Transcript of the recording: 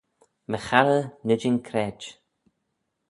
My charrey, ny jean craid.